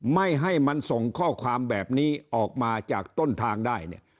ไม่ให้มันส่งข้อความแบบนี้ออกมาจากต้นทางได้เนี่ย